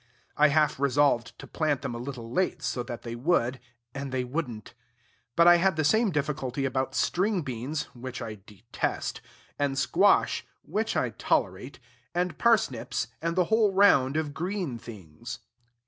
I half resolved to plant them a little late, so that they would, and they would n't. But I had the same difficulty about string beans (which I detest), and squash (which I tolerate), and parsnips, and the whole round of green things.